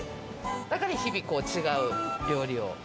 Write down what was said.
だから日々、違う料理を。